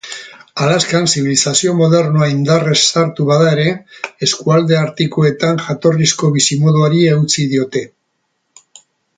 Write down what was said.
Alaskan zibilizazio modernoa indarrez sartu bada ere, eskualde artikoetan jatorrizko bizimoduari eutsi diote.